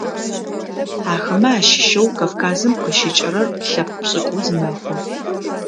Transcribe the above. Ахэмэ ащыщэу Кавказым къыщыкӏырэр лъэпкъ пшӏыкӏуз мэхъу.